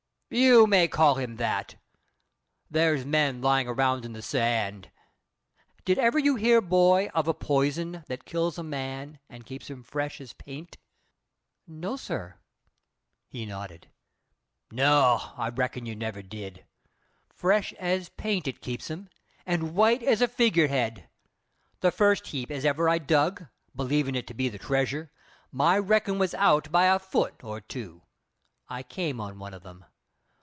"You may call him that. There's men lyin' around in the sand Did ever you hear, boy, of a poison that kills a man and keeps him fresh as paint?" "No, sir." He nodded. "No, I reckon you never did. Fresh as paint it keeps 'em, and white as a figure head. The first heap as ever I dug, believin' it to be the treasure my reckoning was out by a foot or two I came on one o' them.